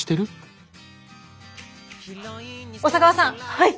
はい。